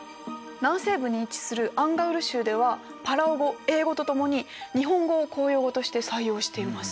南西部に位置するアンガウル州ではパラオ語英語と共に日本語を公用語として採用しています。